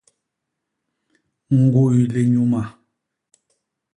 Ñguy linyuma.